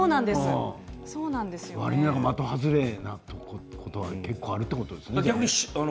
的外れということが結構あるということですね。